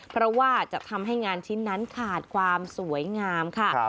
เพราะว่าจะทำให้งานชิ้นนั้นขาดความสวยงามค่ะ